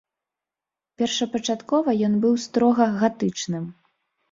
Першапачаткова ён быў строга гатычным.